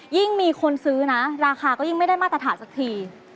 ยิ่งมีคนซื้อนะราคาก็ยิ่งไม่ได้มาตรฐานสักที